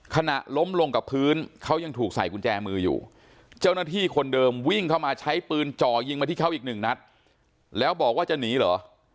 ขณะล้มลงกับพื้นเขายังถูกใส่กุญแจมืออยู่เจ้าหน้าที่คนเดิมวิ่งเข้ามาใช้ปืนจ่อยิงมาที่เขาอีกหนึ่งนัดแล้วบอกว่าจะหนีเหรอ